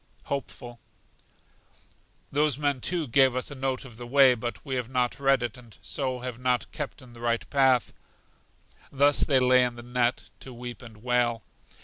Hopeful. Those men, too, gave us a note of the way, but we have not read it, and so have not kept in the right path. Thus they lay in the net to weep and wail.